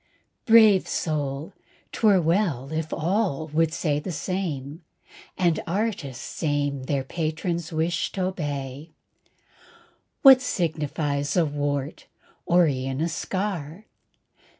Brave soul, 'twere well if all the same would say, And artists aim their patron's wish t'obey. What signifies a wart, or e'en a scar?